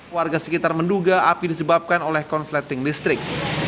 warga sekitar menduga api disebabkan oleh konsleting listrik